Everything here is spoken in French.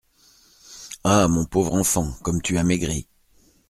Ah ! mon pauvre enfant, comme tu as maigri !